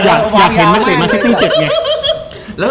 อยากเห็นแมนซิตี้เจ็บไง